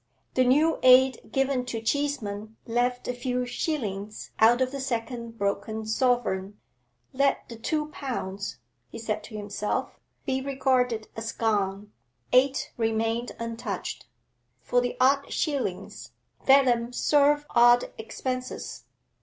The new aid given to Cheeseman left a few shillings out of the second broken sovereign. Let the two pounds he said to himself be regarded as gone; eight remained untouched. For the odd shillings, let them serve odd expenses.